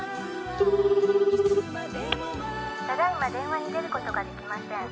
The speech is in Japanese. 「ただいま電話に出る事が出来ません」